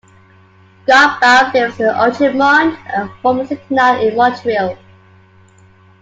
Godbout lives in Outremont, a former city now in Montreal.